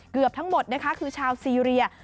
เกือบทั้งหมดนะคะคือชาวซีเรีย